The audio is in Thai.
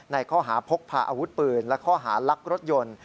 ในข้อหาพกพาอาวุธปืนและข้อหารักรถยนต์